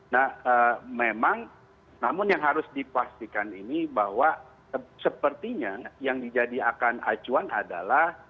nah memang namun yang harus dipastikan ini bahwa sepertinya yang dijadikan acuan adalah